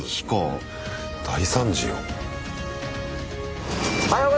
大惨事よ。